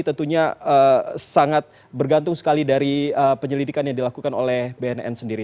tentunya sangat bergantung sekali dari penyelidikan yang dilakukan oleh bnn sendiri